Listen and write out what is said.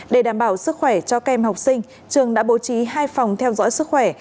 để đảm bảo sức khỏe cho các em học sinh trường đã bố trí hai phòng theo dõi sức khỏe